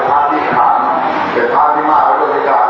และที่ไม่เคยอาธิติไม่เคยคาย